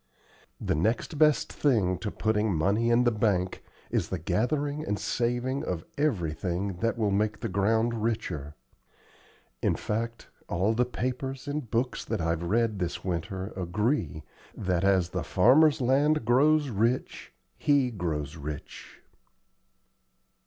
The next best thing to putting money in the bank is the gathering and saving of everything that will make the ground richer. In fact, all the papers and books that I've read this winter agree that as the farmer's land grows rich he grows rich."